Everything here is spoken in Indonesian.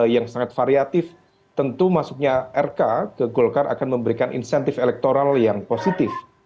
yang sangat variatif tentu masuknya rk ke golkar akan memberikan insentif elektoral yang positif